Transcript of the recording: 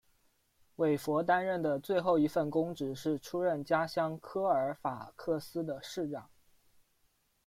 韦弗担任的最后一份公职是出任家乡科尔法克斯的市长。